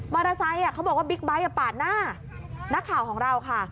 ไซค์เขาบอกว่าบิ๊กไบท์ปาดหน้านักข่าวของเราค่ะ